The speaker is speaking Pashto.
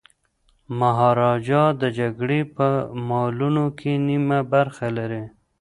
مهاراجا د جګړې په مالونو کي نیمه برخه لري.